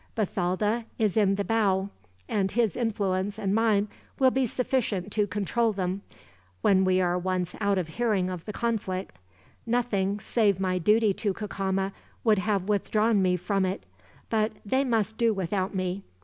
Bathalda is in the bow, and his influence and mine will be sufficient to control them, when we are once out of hearing of the conflict. Nothing, save my duty to Cacama, would have withdrawn me from it; but they must do without me.